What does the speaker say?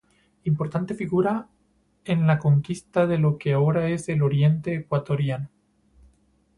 Importante figura en la conquista de lo que ahora es el Oriente ecuatoriano.